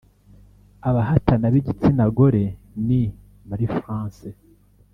Abahatana b’igitsina gore ni Marie France